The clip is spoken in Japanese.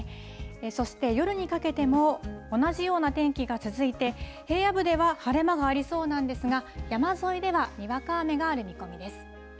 そして夜にかけても、同じような天気が続いて、平野部では晴れ間がありそうなんですが、山沿いではにわか雨がある見込みです。